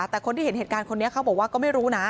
แต่คนที่เห็นเหตุการณ์คนนี้เขาบอกว่าก็ไม่รู้นะ